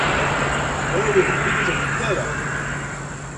Ur awen-tent-id-ttakent ara?